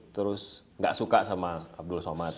terus enggak suka sama abdul samad